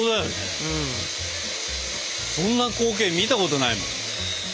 そんな光景見たことないもん。